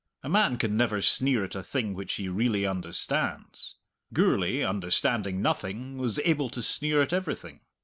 A man can never sneer at a thing which he really understands. Gourlay, understanding nothing, was able to sneer at everything.